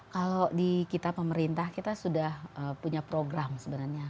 kalau di kita pemerintah kita sudah punya program sebenarnya